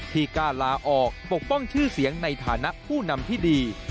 กล้าลาออกปกป้องชื่อเสียงในฐานะผู้นำที่ดี